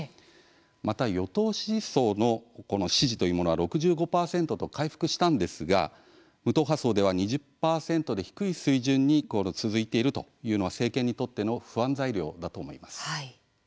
また、与党支持層の支持は６５％と回復したんですが無党派層では２０％で低い水準が続いているというのは政権にとって不安材料だと思います。